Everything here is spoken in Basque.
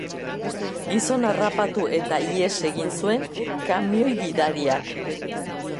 Gizona harrapatu eta ihes egin zuen kamioi-gidariak.